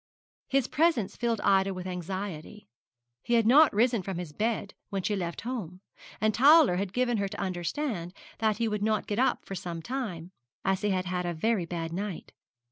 His presence filled Ida with anxiety. He had not risen from his bed when she left home, and Towler had given her to understand that he would not get up for some time, as he had had a very bad night.